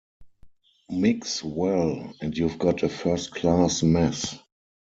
Mix well, and you've got a first-class mess.